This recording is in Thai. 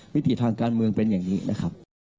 วิถีทางการเมืองเป็นอย่างนี้นะครับ